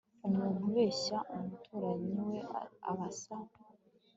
umuntu ushyeshya umuturanyi we aba asa